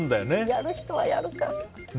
やる人はやるか。